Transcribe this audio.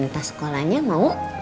tas sekolahnya mau